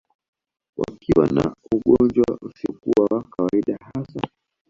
Wakiwa na ugonjwa usiokuwa wa kawaida hasa